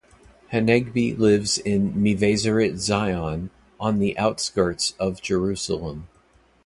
Hanegbi lives in Mevaseret Zion, on the outskirts of Jerusalem.